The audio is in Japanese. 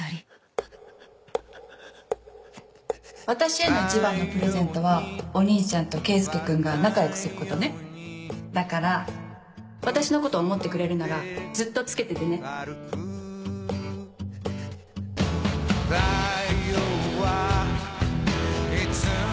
私への一番のプレゼントはお兄ちゃんと圭介君が仲良くすることねだから私のこと思ってくれるならずっと着けてて頼む。